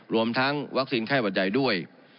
รวมทั้งวัคซีนไข้หวัดใหญ่ด้วย